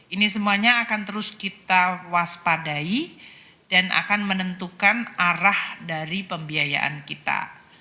ini semuanya akan terus kita waspadai dan akan menentukan arah dari pembiayaan kita